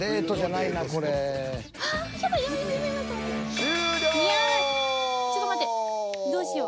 いやちょっと待ってどうしよう。